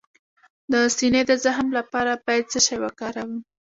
د سینې د زخم لپاره باید څه شی وکاروم؟